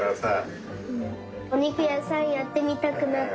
おにくやさんやってみたくなった！